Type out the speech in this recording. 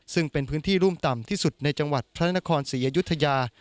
ซึ่งเป็นพื้นที่รุ่มต่ำที่สุดในจังหวัดพระนครศรีอยุธยา